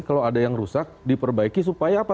kalau ada yang rusak diperbaiki supaya apa